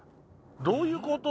どういうこと？